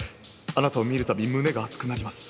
あなたを見る度胸が熱くなります。